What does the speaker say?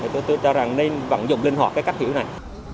tôi cho rằng nên vận dụng linh hoạt cái cách hiểu này